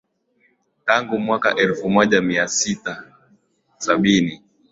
Tangu mwaka elfu moja mia tisa sabini